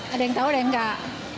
ada yang tau ada yang gak